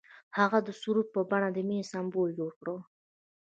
هغه د سرود په بڼه د مینې سمبول جوړ کړ.